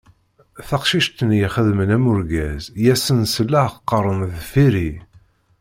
Taqcict-nni ixedmen am urgaz, I asen-selleɣ qqaren deffir-i.